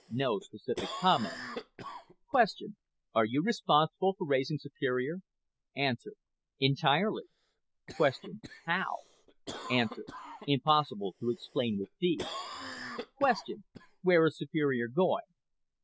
NO SPECIFIC COMMENT Q. ARE YOU RESPONSIBLE FOR RAISING SUPERIOR A. ENTIRELY Q. HOW A. IMPOSSIBLE TO EXPLAIN WITH THESE Q. WHERE IS SUPERIOR GOING A.